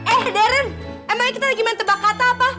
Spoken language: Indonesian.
eh darren emang kita lagi main tebak kata apa